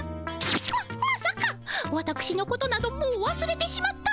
ままさかわたくしのことなどもうわすれてしまったのでは？